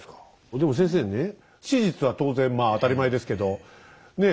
でも先生ねえ史実は当然まあ当たり前ですけどねえ？